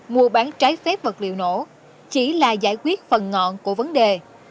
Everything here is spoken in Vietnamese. mua bán trái phép vật liệu nổ chỉ là giải quyết phần ngọn của vấn đề